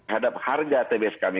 hadap harga tbs kami